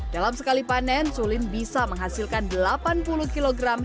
dalam sekali panen sulin bisa menghasilkan delapan puluh kg